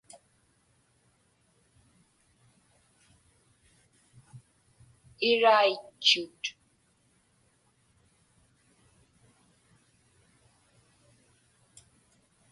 Iraitchut.